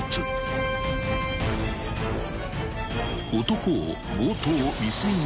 ［男を］